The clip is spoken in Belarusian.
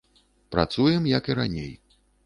Працуем, як і раней.